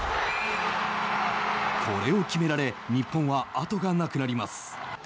これを決められ日本は後がなくなります。